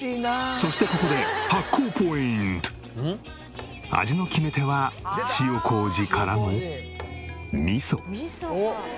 そしてここで味の決め手は塩こうじからのみそ。